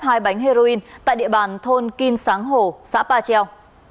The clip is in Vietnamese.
hai bánh heroin tại địa bàn thôn kim sáng hồ xã ba treo